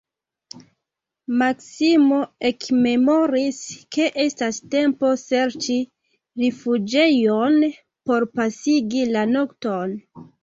Maksimo ekmemoris, ke estas tempo serĉi rifuĝejon por pasigi la nokton.